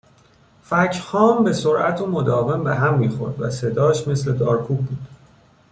فَکهام به سرعت و مداوم به هم میخورد و صداش، مثل دارکوب بود